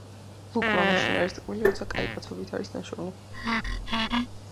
„ლუკმა მაშინ არის ტკბილი, როცა კაი კაცობით არის ნაშოვნი.“